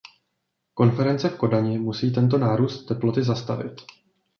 Konference v Kodani musí tento nárůst teploty zastavit.